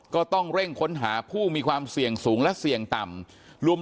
ก็ต้องเร่งค้นหาผู้มีความเสี่ยงสูงและเสี่ยงต่ำ